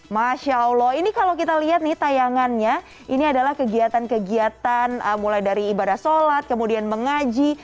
masya allah ini kalau kita lihat nih tayangannya ini adalah kegiatan kegiatan mulai dari ibadah sholat kemudian mengaji